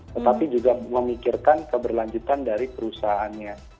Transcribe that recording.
tetapi juga memikirkan keberlanjutan dari perusahaannya